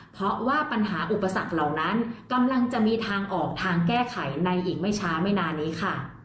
เพราะว่าปัญหาอุปสรรคเหล่านั้นกำลังจะมีทางออกทางแก้ไขในอีกไม่ช้าไม่นานนี้ค่ะ